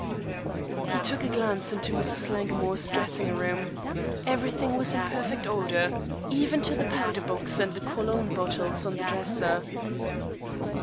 He took a glance into Mrs. Langmore's dressing room. Everything was in perfect order, even to the powder box and the cologne bottles on the dresser.